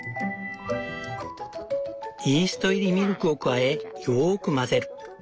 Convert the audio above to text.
イースト入りミルクを加えよく混ぜる。